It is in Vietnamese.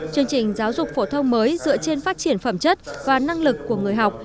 chương trình giáo dục phổ thông mới dựa trên phát triển phẩm chất và năng lực của người học